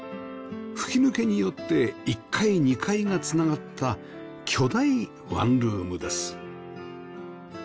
吹き抜けによって１階２階が繋がった巨大ワンルームです